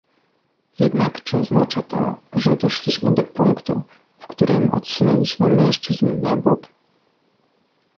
Jednak czy oznacza to, że doszliśmy do punktu, w którym odsunęliśmy mężczyzn na bok?